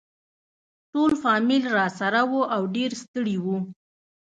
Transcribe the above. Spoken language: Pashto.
ټول فامیل راسره وو او ډېر ستړي وو.